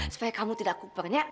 supaya kamu tidak kuper ya